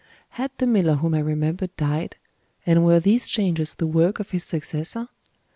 Had the miller whom I remembered, died; and were these changes the work of his successor?